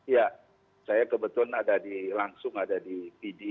ya saya kebetulan ada di langsung ada di pd